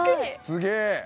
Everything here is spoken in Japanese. すげえ！